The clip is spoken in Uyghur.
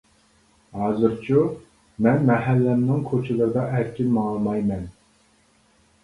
ھازىرچۇ، مەن مەھەللەمنىڭ كوچىلىرىدا ئەركىن ماڭالمايمەن.